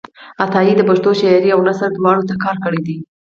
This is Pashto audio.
عطایي د پښتو شاعرۍ او نثر دواړو ته کار کړی دی.